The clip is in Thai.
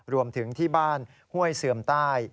รวมถึงที่บ้านห้วยเสื่อมใต้